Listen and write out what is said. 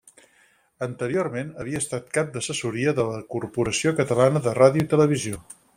Anteriorment havia estat cap d'assessoria de la Corporació Catalana de Ràdio i Televisió.